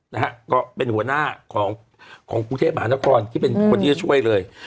นะฮะก็เป็นหัวหน้าของของกรุงเทพมหานครที่เป็นคนที่จะช่วยเลย